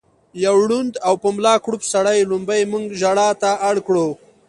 يو ړوند او په ملا کړوپ سړي ړومبی مونږ ژړا ته اړ کړو